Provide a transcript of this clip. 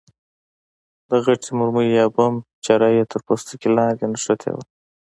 د غټې مرمۍ یا بم چره یې تر پوستکي لاندې نښتې وه.